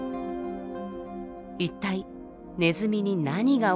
一体ネズミに何が起きたのか？